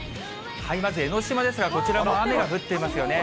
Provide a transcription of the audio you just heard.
まず江の島ですが、こちらも雨が降っていますよね。